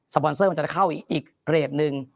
ปอนเซอร์มันจะเข้าอีกเรทหนึ่ง